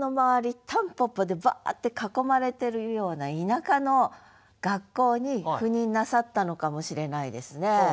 蒲公英でバーッて囲まれてるような田舎の学校に赴任なさったのかもしれないですね。